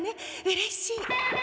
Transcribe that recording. うれしい！